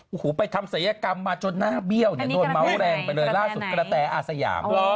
โอ้โหไปทำศัยกรรมมาจนหน้าเบี้ยวเนี่ยโดนเมาส์แรงไปเลยล่าสุดกระแตอาสยาม